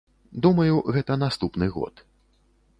Думаю, гэта наступны год.